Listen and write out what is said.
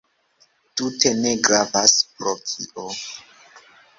Tute ne gravas, pro kio.